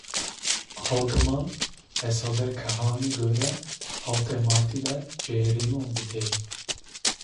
Hawtemal, hesabê khani gore hawtê Marti de cêrino dê.